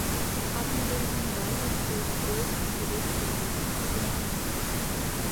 آپ نے اگر اپنے موبائل پر سیکیوریٹی کوڈ ایکٹیو کیا ہوا ہوگا تو کنیکٹ نہیں ہوگا